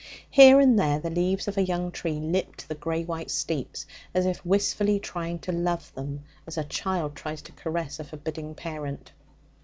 Here and there the leaves of a young tree lipped the grey white steeps, as if wistfully trying to love them, as a child tries to caress a forbidding parent.